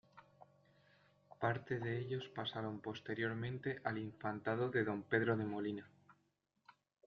Parte de ellos pasaron posteriormente al infantado de don Pedro de Molina.